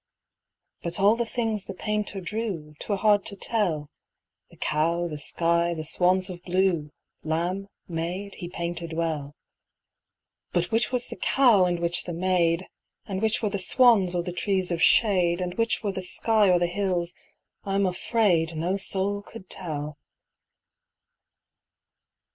But all the things the painter drew 'Twere hard to tell The cow, the sky, the swans of blue, Lamb, maid, he painted well. But which was the cow and which the maid, And which were the swans or the trees of shade, And which were the sky or the hills, I'm afraid, No soul could tell.